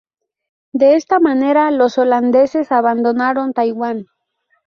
De esta manera, los holandeses abandonaron Taiwán.